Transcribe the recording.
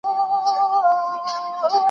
موږ رياضي خوښوو او زده کوو یې.